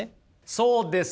そうです。